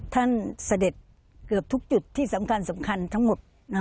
เสด็จเกือบทุกจุดที่สำคัญทั้งหมด